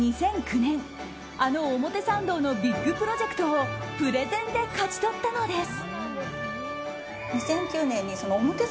２００９年あの表参道のビッグプロジェクトをプレゼンで勝ち取ったのです。